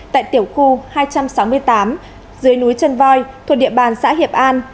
tại tiểu khu hai trăm sáu mươi tám dưới núi chân voi thuộc địa bàn xã hiệp an